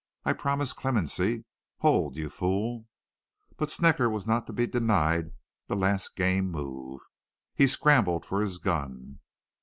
I promise clemency. Hold, you fool!' "But Snecker was not to be denied the last game move. He scrabbled for his gun.